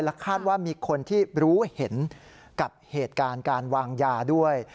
คาดว่ามีคนที่รู้เห็นกับเหตุการณ์การวางยาด้วย